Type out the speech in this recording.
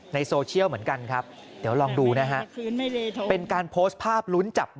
ในโซเชียลเหมือนกันครับ